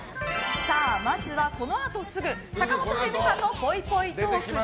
まずはこのあとすぐ坂本冬美さんのぽいぽいトーク。